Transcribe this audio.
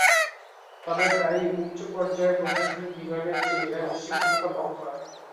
তবে প্রায়ই উচ্চ পর্যায়ের প্রশাসনিক বিভাগের চেয়ে এরা বেশি ক্ষমতা ভোগ করে।